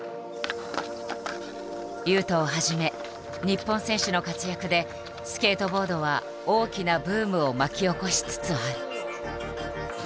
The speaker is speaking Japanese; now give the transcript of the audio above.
雄斗をはじめ日本選手の活躍でスケートボードは大きなブームを巻き起こしつつある。